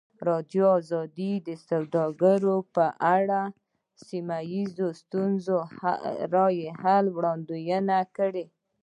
ازادي راډیو د سوداګري په اړه د سیمه ییزو ستونزو حل لارې راوړاندې کړې.